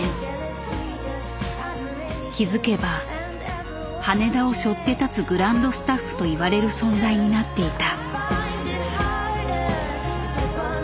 気付けば羽田をしょって立つグランドスタッフといわれる存在になっていた。